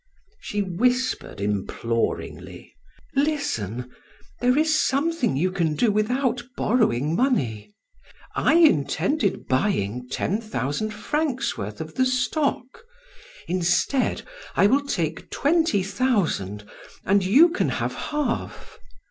She whispered imploringly: "Listen, there is something you can do without borrowing money. I intended buying ten thousand francs' worth of the stock; instead, I will take twenty thousand and you can have half.